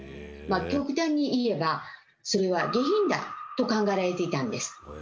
極端に言えばそれは下品だと考えられていたんです。